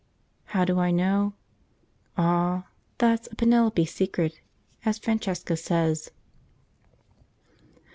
How do I know? Ah! that's a 'Penelope secret,' as Francesca says.